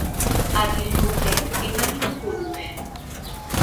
আদিল হুসেইন বিবাহিত পুরুষ।